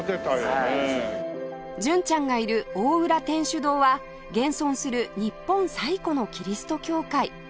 純ちゃんがいる大浦天主堂は現存する日本最古のキリスト教会